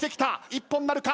一本なるか？